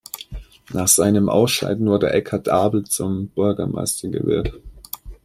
Nach seinem Ausscheiden wurde Eckhard Abel zum Bürgermeister gewählt.